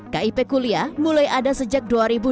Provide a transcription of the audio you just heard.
kip kuliah mulai ada sejak dua ribu dua